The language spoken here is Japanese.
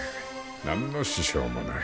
何の支障もない。